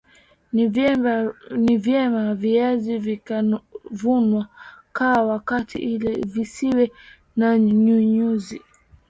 Ni vyema viazi vikavunwa ka wakati ili visiwe na nyuzinyuzi